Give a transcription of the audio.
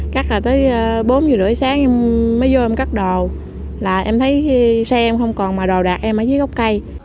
cắt là tới bốn h ba mươi sáng em mới vô em cắt đồ là em thấy xe em không còn mà đồ đạc em ở dưới góc cây